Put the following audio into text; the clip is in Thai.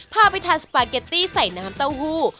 พาไปทานสปาเกตตี้ใส่น้ำเต้าหู้